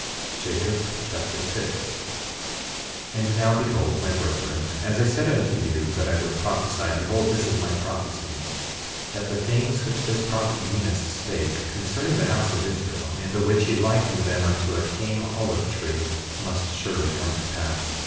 Jacob Chapter 6 6:1 And now, behold, my brethren, as I said unto you that I would prophesy, behold, this is my prophecy—that the things which this prophet Zenos spake, concerning the house of Israel, in the which he likened them unto a tame olive tree, must surely come to pass.